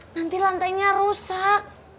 nanti lantainya rusak